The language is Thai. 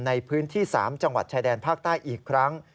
ในพื้นที่๓จังหวัดชายแดนภาคใต้อีกครั้ง